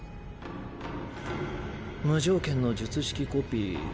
無条件の術式コピー。